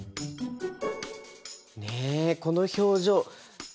ねえこの表情！